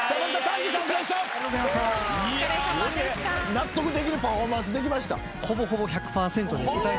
納得できるパフォーマンスできました？